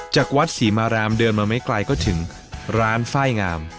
จากวัดศรีมารามเดินมาไม่ไกลก็ถึงร้านไฟล์งาม